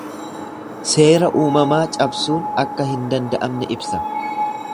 Seera uamamaa cabsuun akka hin danda'amne ibsa.